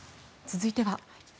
続いては。